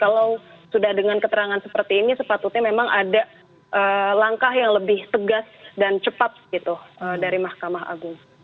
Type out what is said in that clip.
kalau sudah dengan keterangan seperti ini sepatutnya memang ada langkah yang lebih tegas dan cepat gitu dari mahkamah agung